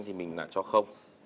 thì mình lại cho